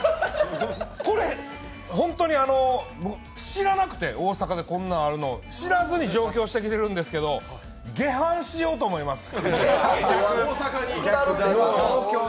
これ、ホントに知らなくて大阪でこんなんあるの、知らずに上京してるんですけど下阪しようと思います！